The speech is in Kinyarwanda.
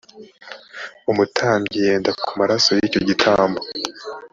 umutambyi yende ku maraso y;icyo gitambo